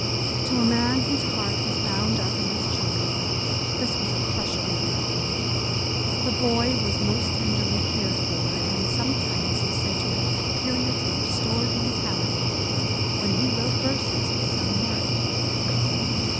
To a man whose heart was bound up in his children, this was a crushing blow. The boy was most tenderly cared for, and sometimes is said to have had periods of restored mentality, when he wrote verses of some merit.